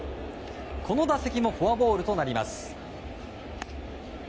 この打席もフォアボールとなります。